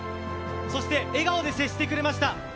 そして笑顔で接してくれました。